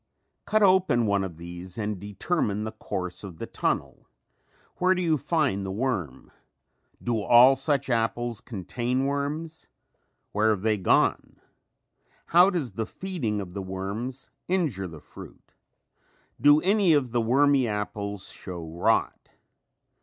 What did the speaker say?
Cut open one of these and determine the course of the tunnel. Where do you find the worm? Do all such apples contain worms? Where have they gone? How does the feeding of the worms injure the fruit? Do any of the wormy apples show rot?